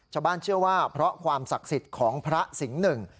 ชาวบ้านเชื่อว่าเพราะความศักดิ์สิทธิ์ของพระสิงห์หนึ่ง